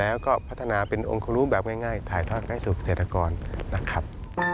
แล้วก็พัฒนาเป็นองค์คลุมแบบง่ายถ่ายถ้าใกล้สูตรเศรษฐกรนะครับ